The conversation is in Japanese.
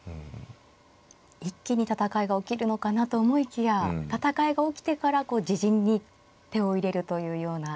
一気に戦いが起きるのかなと思いきや戦いが起きてからこう自陣に手を入れるというような。